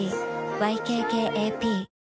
ＹＫＫＡＰ